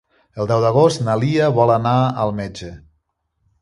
El deu d'agost na Lia vol anar al metge.